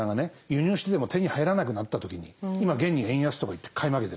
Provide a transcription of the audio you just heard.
輸入してても手に入らなくなった時に今現に円安とかいって買い負けてるでしょ。